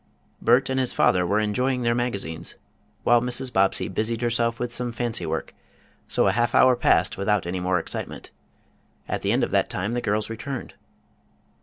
Bert and his father were enjoying their magazines, while Mrs. Bobbsey busied herself with some fancy work, so a half hour passed without any more excitement. At the end of that time the girls returned.